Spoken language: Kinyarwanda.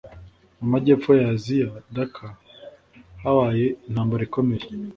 Mu majyepfo ya Aziya: Dhaka habaye intampambara ikomeye